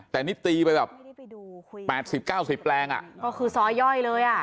แต่นี่ตีไปแบบ๘๐๙๐แปลงอ่ะก็คือซอยย่อยเลยอ่ะ